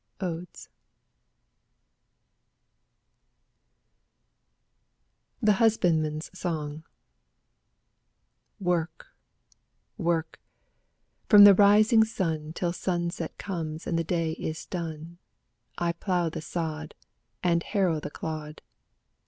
Odes THE HUSBANDMAN'S SONG Work, work, — from the rising sun Till sunset comes and the day is done I plough the sod And harrow the clod.